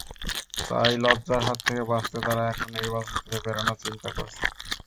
তাই লজ্জার হাত থেকে বাঁচতে তারা এখন নির্বাচন থেকে বেরোনোর চিন্তা করছে।